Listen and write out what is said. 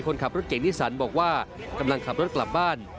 คนขับรถเก่งนิสันบอกว่ากำลังขับรถกลับบ้าน